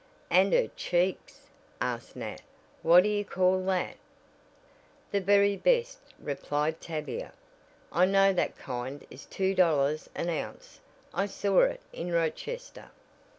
"And her cheeks?" asked Nat, "what do you call that?" "The very best," replied Tavia, "I know that kind is two dollars an ounce. I saw it in Rochester."